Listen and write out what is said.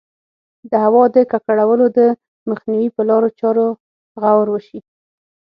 د هوا د ککړولو د مخنیوي په لارو چارو غور وشي.